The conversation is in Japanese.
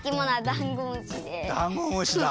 ダンゴムシだ。